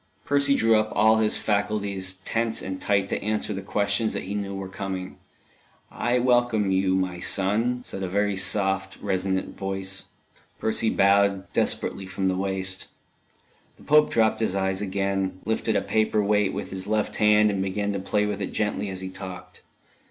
Percy drew up all his faculties tense and tight to answer the questions that he knew were coming. "I welcome you, my son," said a very soft, resonant voice. Percy bowed, desperately, from the waist. The Pope dropped his eyes again, lifted a paper weight with his left hand, and began to play with it gently as he talked.